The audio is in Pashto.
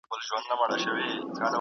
که علم په پښتو وي، نو جهل ته ځای نه وي.